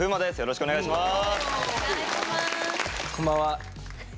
よろしくお願いします。